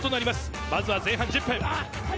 まずは前半１０分。